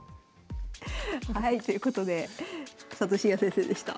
はいということで佐藤紳哉先生でした。